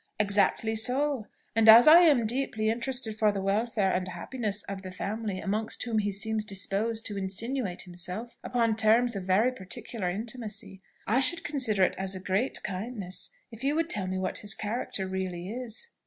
"Exactly so: and as I am deeply interested for the welfare and happiness of the family amongst whom he seems disposed to insinuate himself upon terms of very particular intimacy, I should consider it as a great kindness if you would tell me what his character really is."